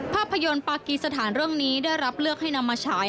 ภาพยนตร์ปากีสถานเรื่องนี้ได้รับเลือกให้นำมาฉาย